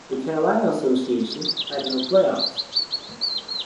The Carolina Association had no playoffs.